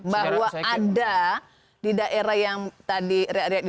bahwa ada di daerah yang tadi di daerah yang tadi